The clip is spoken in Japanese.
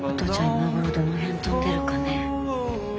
今頃どの辺飛んでるかね？